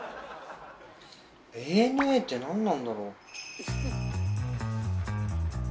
「ＡＮＡ」って何なんだろう？